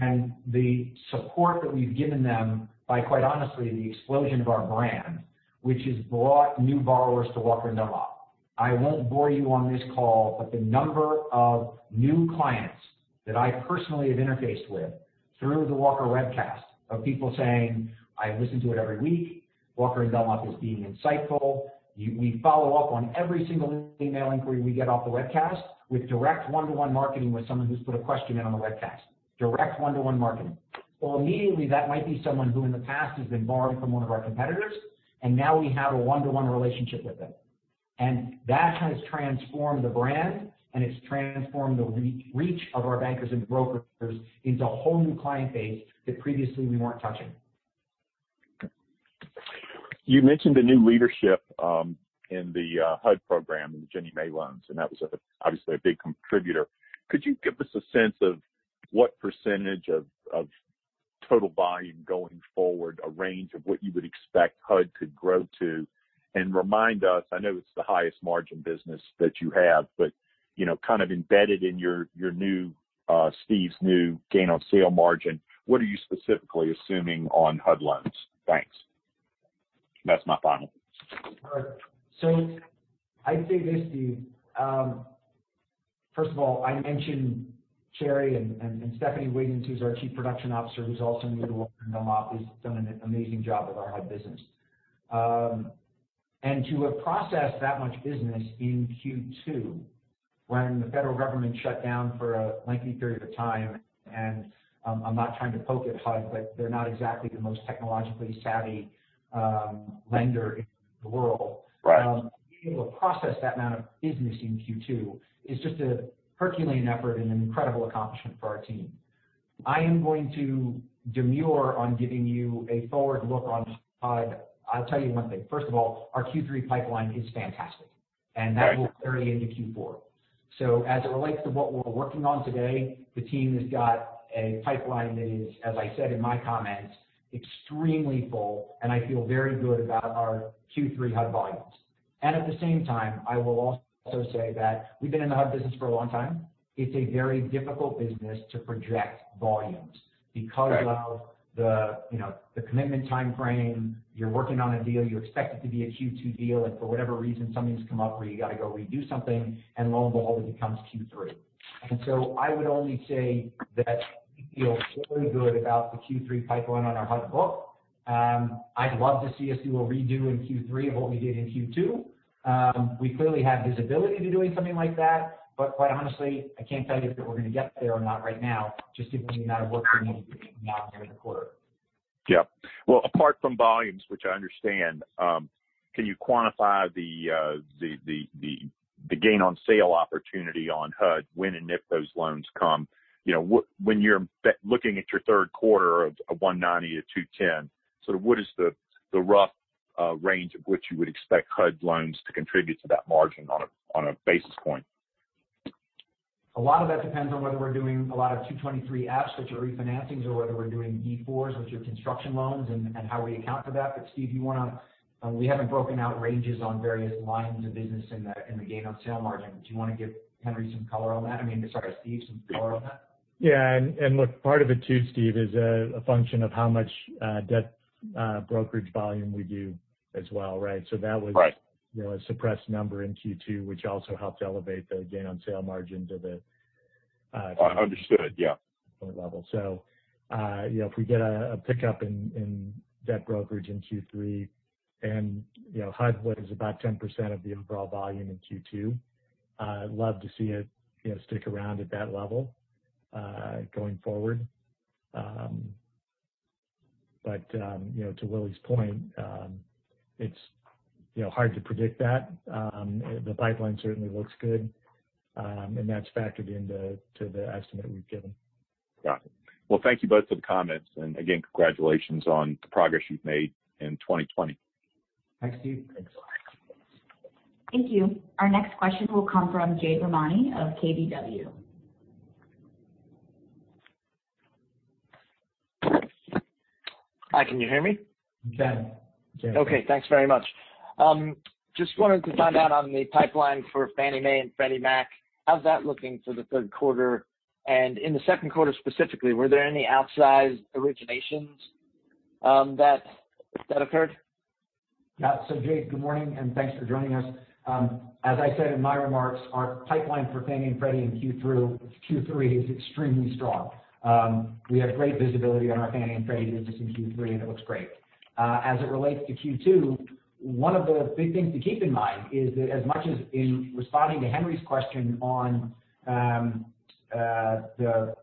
and the support that we've given them by, quite honestly, the explosion of our brand, which has brought new borrowers to Walker & Dunlop. I won't bore you on this call, but the number of new clients that I personally have interfaced with through the Walker Webcast of people saying, "I listen to it every week. Walker & Dunlop is being insightful." We follow up on every single email inquiry we get off the webcast with direct one-to-one marketing with someone who's put a question in on the webcast, direct one-to-one marketing. Immediately, that might be someone who in the past has been borrowing from one of our competitors, and now we have a one-to-one relationship with them. And that has transformed the brand, and it's transformed the reach of our bankers and brokers into a whole new client base that previously we weren't touching. You mentioned the new leadership in the HUD program and the Fannie Mae loans, and that was obviously a big contributor. Could you give us a sense of what percentage of total volume going forward, a range of what you would expect HUD to grow to, and remind us? I know it's the highest margin business that you have, but kind of embedded in Steve's new gain on sale margin, what are you specifically assuming on HUD loans? Thanks. That's my final. All right. So I'd say this, Steve. First of all, I mentioned Sheri Thompson and Stephanie Wiggins, who's our Chief Production Officer, who's also new to Walker & Dunlop, has done an amazing job with our HUD business. To have processed that much business in Q2 when the federal government shut down for a lengthy period of time, and I'm not trying to poke at HUD, but they're not exactly the most technologically savvy lender in the world, being able to process that amount of business in Q2 is just a Herculean effort and an incredible accomplishment for our team. I am going to demur on giving you a forward look on HUD. I'll tell you one thing. First of all, our Q3 pipeline is fantastic, and that will carry into Q4. So as it relates to what we're working on today, the team has got a pipeline that is, as I said in my comments, extremely full, and I feel very good about our Q3 HUD volumes. At the same time, I will also say that we've been in the HUD business for a long time. It's a very difficult business to project volumes because of the commitment time frame. You're working on a deal. You expect it to be a Q2 deal, and for whatever reason, something's come up where you got to go redo something, and lo and behold, it becomes Q3. And so I would only say that I feel very good about the Q3 pipeline on our HUD book. I'd love to see us do a redo in Q3 of what we did in Q2. We clearly have visibility to doing something like that, but quite honestly, I can't tell you if we're going to get there or not right now, just given the amount of work we need to do now and here in the quarter. Yep. Apart from volumes, which I understand, can you quantify the gain on sale opportunity on HUD when and if those loans come? When you're looking at your third quarter of 190-210, sort of what is the rough range of which you would expect HUD loans to contribute to that margin on a basis point? A lot of that depends on whether we're doing a lot of 223Fs, which are refinancings, or whether we're doing d4s, which are construction loans, and how we account for that. Steve, you want to, we haven't broken out ranges on various lines of business in the gain on sale margin. Do you want to give Henry some color on that? I mean, sorry, Steve, some color on that? Yeah. Look, part of it too, Steve, is a function of how much debt brokerage volume we do as well, right? So that was a suppressed number in Q2, which also helped elevate the gain on sale margin to the level. Understood. Yeah. So if we get a pickup in debt brokerage in Q3, and HUD was about 10% of the overall volume in Q2, I'd love to see it stick around at that level going forward. But to Willy's point, it's hard to predict that. The pipeline certainly looks good, and that's factored into the estimate we've given. Got it. Well, thank you both for the comments, and again, congratulations on the progress you've made in 2020. Thanks, Steve. Thanks. Thank you. Our next question will come from Jade Rahmani of KBW. Hi, can you hear me? You can. Okay. Thanks very much. Just wanted to find out on the pipeline for Fannie Mae and Freddie Mac, how's that looking for the third quarter? In the second quarter specifically, were there any outsized originations that occurred? Yep. Jade, good morning, and thanks for joining us. As I said in my remarks, our pipeline for Fannie Mae and Freddie Mac in Q3 is extremely strong. We have great visibility on our Fannie Mae and Freddie Mac business in Q3, and it looks great. As it relates to Q2, one of the big things to keep in mind is that as much as in responding to Henry's question on the,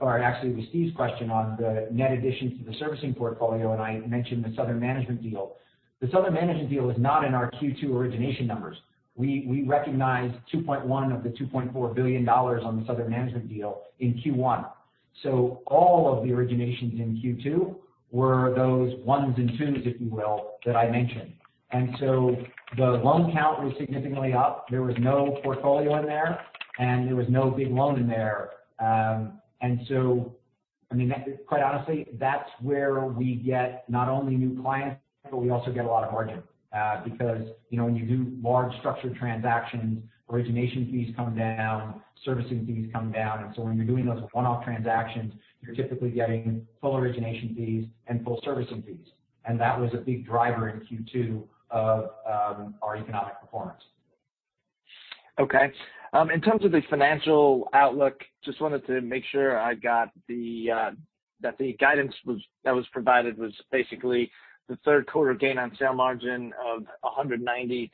or actually, it was Steve's question on the net addition to the servicing portfolio, and I mentioned the Southern Management deal, the Southern Management deal is not in our Q2 origination numbers. We recognize $2.1 billion of the $2.4 billion on the Southern Management deal in Q1. All of the originations in Q2 were those ones and twos, if you will, that I mentioned. And so the loan count was significantly up. There was no portfolio in there, and there was no big loan in there. And so, I mean, quite honestly, that's where we get not only new clients, but we also get a lot of margin because when you do large structured transactions, origination fees come down, servicing fees come down. And so when you're doing those one-off transactions, you're typically getting full origination fees and full servicing fees. And that was a big driver in Q2 of our economic performance. Okay. In terms of the financial outlook, just wanted to make sure I got that the guidance that was provided was basically the third quarter gain on sale margin of 190-210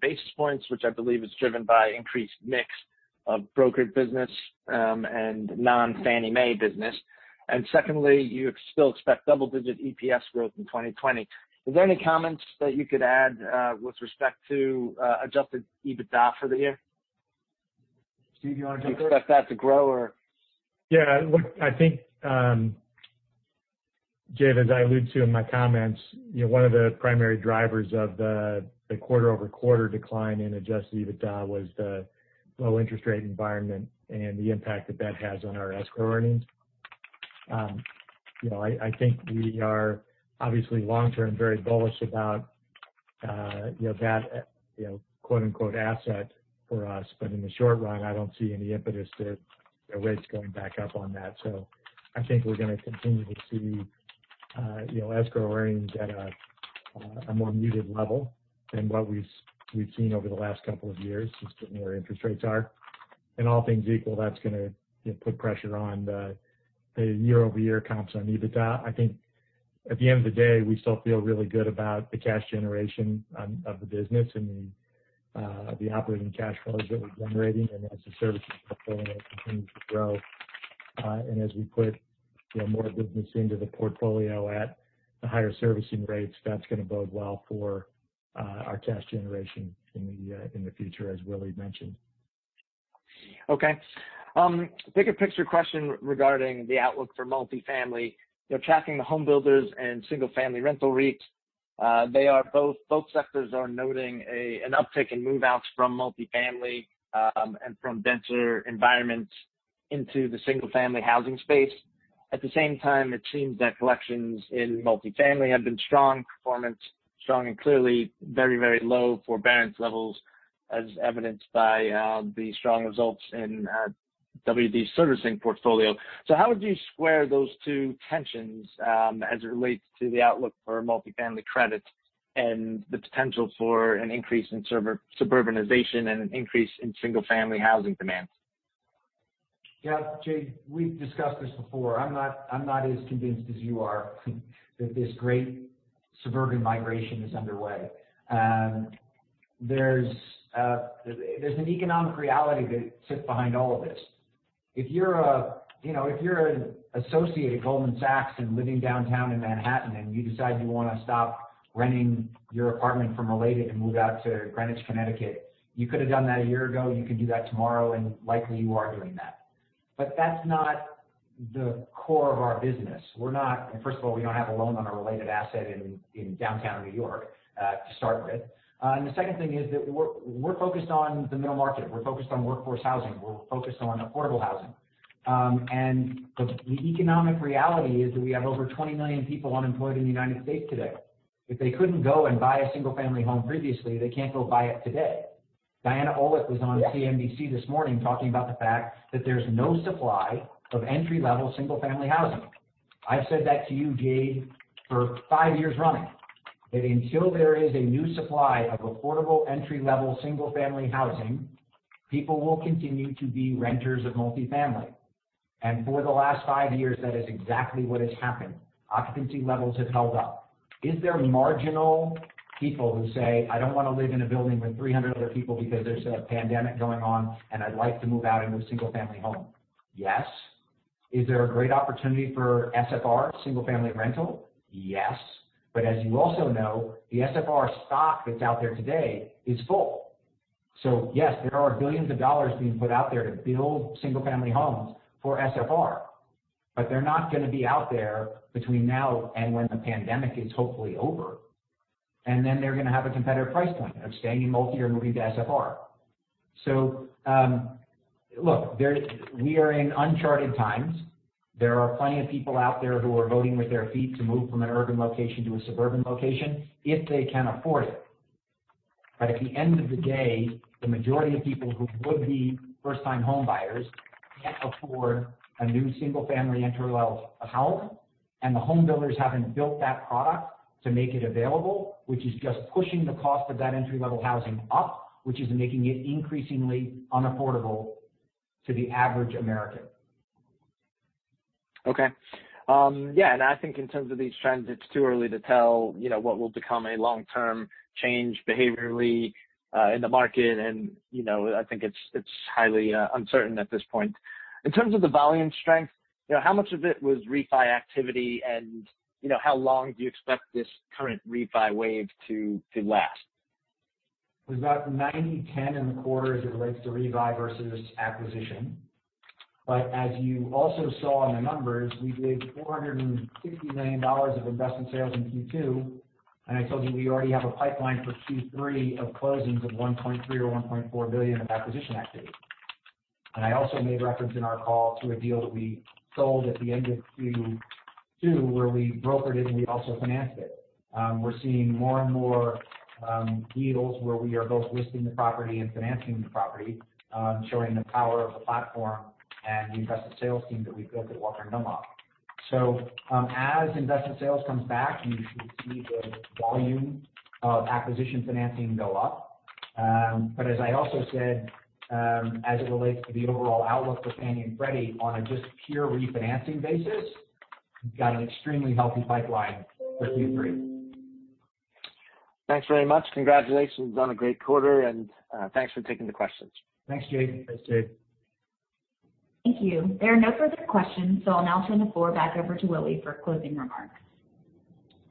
basis points, which I believe is driven by increased mix of brokered business and non-Fannie Mae business. And secondly, you still expect double-digit EPS growth in 2020. Are there any comments that you could add with respect to Adjusted EBITDA for the year? Steve, do you want to jump in? You expect that to grow or? Yeah. Look, I think, Jade, as I alluded to in my comments, one of the primary drivers of the quarter-over-quarter decline in Adjusted EBITDA was the low interest rate environment and the impact that that has on our escrow earnings. I think we are obviously long-term very bullish about that "asset" for us, but in the short run, I don't see any impetus to rates going back up on that. So I think we're going to continue to see escrow earnings at a more muted level than what we've seen over the last couple of years since getting where interest rates are. All things equal, that's going to put pressure on the year-over-year comps on EBITDA. I think at the end of the day, we still feel really good about the cash generation of the business and the operating cash flows that we're generating, and as the servicing portfolio continues to grow and as we put more business into the portfolio at the higher servicing rates, that's going to bode well for our cash generation in the future, as Willy mentioned. Okay. Bigger picture question regarding the outlook for multifamily. Tracking the homebuilders and single-family rental REITs, both sectors are noting an uptick in move-outs from multifamily and from denser environments into the single-family housing space. At the same time, it seems that collections in multifamily have been strong. Performance strong, and clearly very, very low forbearance levels, as evidenced by the strong results in WD's servicing portfolio. So how would you square those two tensions as it relates to the outlook for multifamily credit and the potential for an increase in suburbanization and an increase in single-family housing demand? Yeah. Jade, we've discussed this before. I'm not as convinced as you are that this great suburban migration is underway. There's an economic reality that sits behind all of this. If you're an associate at Goldman Sachs and living downtown in Manhattan and you decide you want to stop renting your apartment from Related and move out to Greenwich, Connecticut, you could have done that a year ago. You can do that tomorrow, and likely, you are doing that. But that's not the core of our business. We're not, first of all, we don't have a loan on a Related asset in downtown New York to start with. The second thing is that we're focused on the middle market. We're focused on workforce housing. We're focused on affordable housing. The economic reality is that we have over 20 million people unemployed in the United States today. If they couldn't go and buy a single-family home previously, they can't go buy it today. Diana Olick was on CNBC this morning talking about the fact that there's no supply of entry-level single-family housing. I've said that to you, Jade, for five years running, that until there is a new supply of affordable entry-level single-family housing, people will continue to be renters of multifamily. For the last five years, that is exactly what has happened. Occupancy levels have held up. Is there marginal people who say, "I don't want to live in a building with 300 other people because there's a pandemic going on, and I'd like to move out and move to a single-family home?" Yes. Is there a great opportunity for SFR, single-family rental? Yes. But as you also know, the SFR stock that's out there today is full. So yes, there are billions of dollars being put out there to build single-family homes for SFR, but they're not going to be out there between now and when the pandemic is hopefully over. And then they're going to have a competitive price point of staying in multi or moving to SFR. So look, we are in uncharted times. There are plenty of people out there who are voting with their feet to move from an urban location to a suburban location if they can afford it. But at the end of the day, the majority of people who would be first-time home buyers can't afford a new single-family entry-level home, and the homebuilders haven't built that product to make it available, which is just pushing the cost of that entry-level housing up, which is making it increasingly unaffordable to the average American. Okay. Yeah. And I think in terms of these trends, it's too early to tell what will become a long-term change behaviorally in the market, and I think it's highly uncertain at this point. In terms of the volume strength, how much of it was refi activity, and how long do you expect this current refi wave to last? Was about 90-10 in the quarter as it relates to refi versus acquisition. But as you also saw in the numbers, we did $460 million of investment sales in Q2, and I told you we already have a pipeline for Q3 of closings of $1.3 billion or $1.4 billion of acquisition activity. And I also made reference in our call to a deal that we sold at the end of Q2 where we brokered it, and we also financed it. We're seeing more and more deals where we are both listing the property and financing the property, showing the power of the platform and the investment sales team that we've built at Walker & Dunlop. So as investment sales comes back, you should see the volume of acquisition financing go up. But as I also said, as it relates to the overall outlook for Fannie Mae and Freddie Mac on a just pure refinancing basis, we've got an extremely healthy pipeline for Q3. Thanks very much. Congratulations on a great quarter, and thanks for taking the questions. Thanks, Jade. Thanks, Jade. Thank you. There are no further questions, so I'll now turn the floor back over to Willy for closing remarks.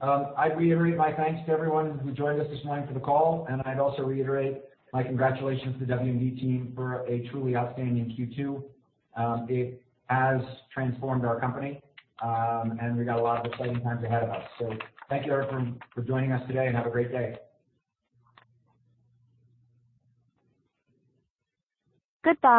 I'd reiterate my thanks to everyone who joined us this morning for the call, and I'd also reiterate my congratulations to the W&D team for a truly outstanding Q2. It has transformed our company, and we've got a lot of exciting times ahead of us. So thank you everyone for joining us today, and have a great day. Good.